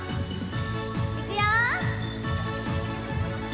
いくよ！